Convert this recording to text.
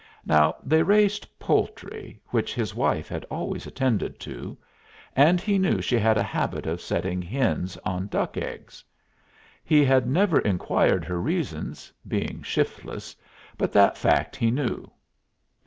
Now they raised poultry, which his wife had always attended to. And he knew she had a habit of setting hens on duck eggs. He had never inquired her reasons, being shiftless, but that fact he knew.